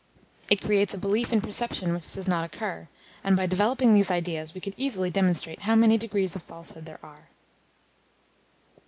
It creates a belief in a perception which does not occur; and by developing these ideas we could easily demonstrate how many degrees of falsehood there are.